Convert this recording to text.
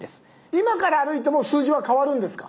今から歩いても数字は変わるんですか？